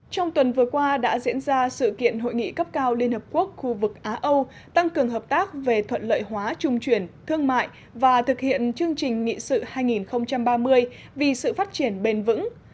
trong tuần vừa qua đã diễn ra sự kiện hội nghị cấp cao liên hợp quốc khu vực á âu tăng cường hợp tác về thuận lợi hóa trung chuyển thương mại và thực hiện chương trình nghị sự hai nghìn ba mươi vì sự phát triển bền vững